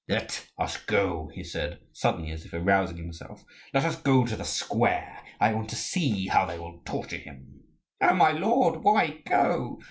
"Let us go," he said, suddenly, as if arousing himself; "let us go to the square. I want to see how they will torture him." "Oh, my lord! why go?